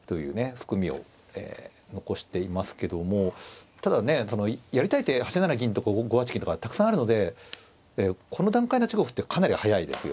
含みを残していますけどもただねそのやりたい手８七銀とか５八金とかたくさんあるのでこの段階の８五歩ってかなり早いですよ。